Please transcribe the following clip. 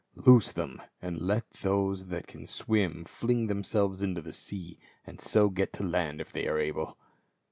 Loose them, and let those that can swim fling themselves into the sea and so get to land if they are able."